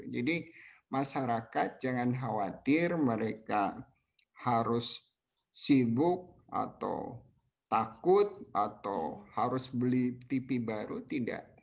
jadi masyarakat jangan khawatir mereka harus sibuk atau takut atau harus beli tv baru tidak